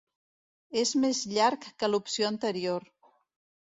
És més llarg que l'opció anterior.